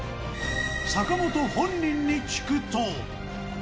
坂本本人に聞くと。